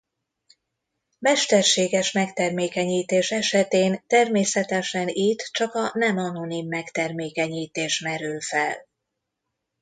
Mesterséges megtermékenyítés esetén természetesen itt csak a nem anonim megtermékenyítés merül fel.